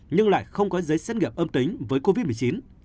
nhưng lại không có giấy xét nghiệm âm tính với covid một mươi chín